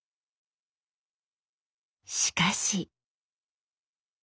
しかし。